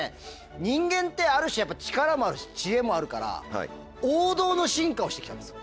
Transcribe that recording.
人間ってある種やっぱ力もあるし知恵もあるから王道の進化をして来たんですよ。